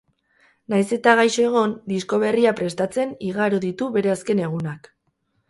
Nahiz eta gaixo egon, disko berria prestatzen igaro ditu bere azken egunak.